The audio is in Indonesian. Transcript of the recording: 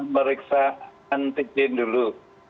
mereksa antigen dulu